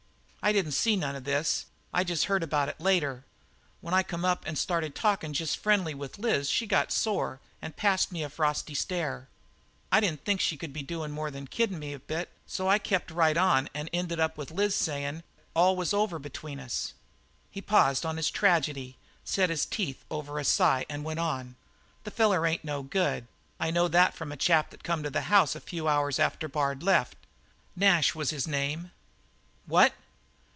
I didn't see none of this; I jest heard about it later. When I come up and started talkin' jest friendly with Liz she got sore and passed me the frosty stare. I didn't think she could be doin' more than kiddin' me a bit, so I kept right on and it ended up with Liz sayin' that all was over between us." He paused on his tragedy, set his teeth over a sigh, and went on: "The feller ain't no good. I know that from a chap that come to the house a few hours after Bard left. Nash was his name " "What!"